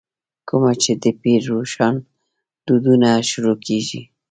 کومه چې دَپير روښان ددورنه شروع کيږې